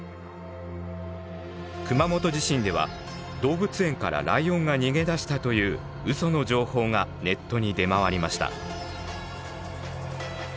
熊本地震では動物園からライオンが逃げ出したといううその情報がネットに出回りました。